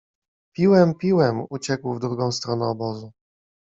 Piłem, piłem! — uciekł w drugą stronę obozu.